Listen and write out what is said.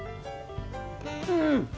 うん！